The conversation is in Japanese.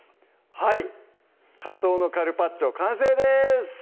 はい「カツオのカルパッチョ」完成です